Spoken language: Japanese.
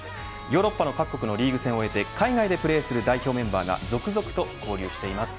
ヨーロッパ各国のリーグ戦を終えて海外でプレーする代表メンバーが続々と合流しています。